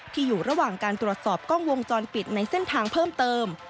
อยู่ระหว่างการตรวจสอบกล้องวงจรปิดในเส้นทางเพิ่มเติม